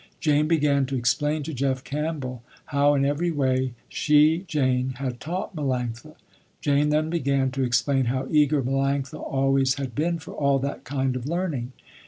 Jane began to explain to Jeff Campbell how in every way, she Jane, had taught Melanctha. Jane then began to explain how eager Melanctha always had been for all that kind of learning.